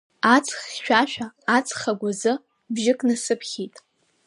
Аҵх хьшәашәа аҵх агәазы, бжьык насыԥхьеит…